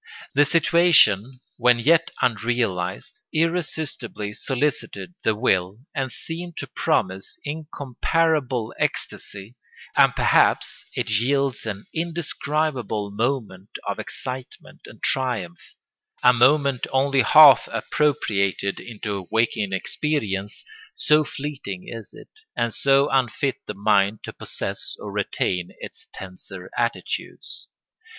The situation, when yet unrealised, irresistibly solicited the will and seemed to promise incomparable ecstasy; and perhaps it yields an indescribable moment of excitement and triumph—a moment only half appropriated into waking experience, so fleeting is it, and so unfit the mind to possess or retain its tenser attitudes.